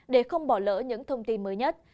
để không bỏ lỡ những thông tin mới nhất